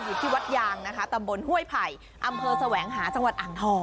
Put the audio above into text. อยู่ที่วัดยางนะคะตำบลห้วยไผ่อำเภอแสวงหาจังหวัดอ่างทอง